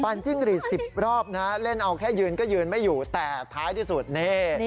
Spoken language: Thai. มันจิ้งรีด๑๐รอบนะเล่นเอาแค่ยืนก็ยืนไม่อยู่แต่ท้ายที่สุดนี่